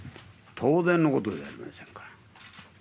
当然のことじゃありませんか。